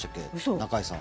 中居さん。